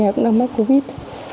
cái nhà cũng đang mất covid